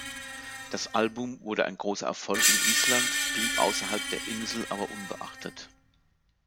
Das Album wurde ein großer Erfolg in Island, blieb außerhalb der Insel aber unbeachtet.